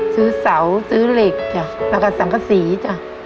ซื้อเสาซื้อเหล็กจ้ะแล้วก็สังกษีจ้ะ